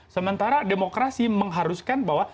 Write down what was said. sementara demokrasi mengharuskan bahwa